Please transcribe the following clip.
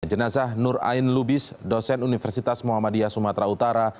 jenazah nur ain lubis dosen universitas muhammadiyah sumatera utara